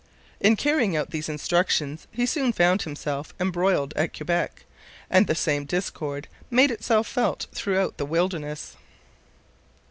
In carrying out these instructions he soon found himself embroiled at Quebec, and the same discord made itself felt throughout the wilderness.